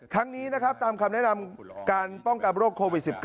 ทั้งนี้นะครับตามคำแนะนำการป้องกันโรคโควิด๑๙